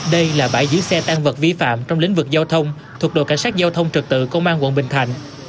đây là bãi giữ xe tăng vật vi phạm trong lĩnh vực giao thông thuộc đội cảnh sát giao thông trực tự công an quận bình thành